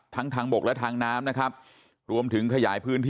ทางบกและทางน้ำนะครับรวมถึงขยายพื้นที่